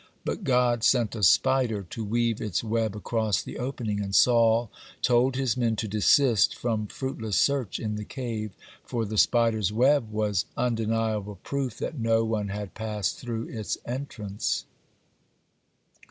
But God sent a spider to weave its web across the opening, and Saul told his men to desist from fruitless search in the cave, for the spider's web was undeniable proof that no one had passed through its entrance.